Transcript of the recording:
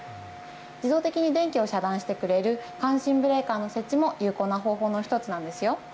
自動的に電気を遮断してくれる感震ブレーカーの設置も有効な方法の１つなんですよ。